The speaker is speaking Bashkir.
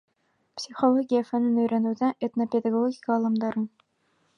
Психология фәнен өйрәнеүҙә этнопедагогика алымдары.